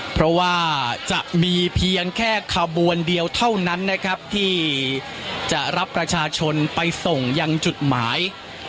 เพราะว่าจะมีเพียงแค่ขบวนเดียวเท่านั้นนะครับที่จะรับประชาชนไปส่งยังจุดหมาย